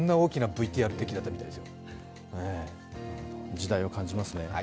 時代を感じますね。